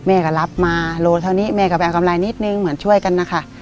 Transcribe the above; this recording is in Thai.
แม่ก็รับมาโลเท่านี้แม่ก็ไปเอากำไรนิดนึงเหมือนช่วยกันนะคะ